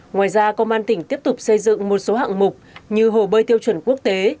ngoài ra công an tỉnh tiếp tục xây dựng một số hạng mục như hồ bơi tiêu chuẩn quốc tế